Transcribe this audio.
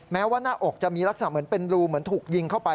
แม้ว่าหน้าอกจะมีลักษณะเหมือนเป็นรูเหมือนถูกยิงเข้าไป